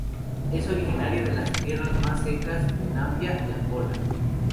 Es originario de las tierras más secas de Namibia y de Angola.